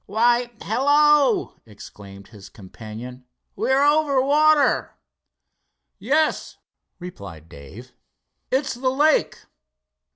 "Why, hello!" exclaimed his companion, "we're over water!" "Yes," replied Dave, "it's the lake."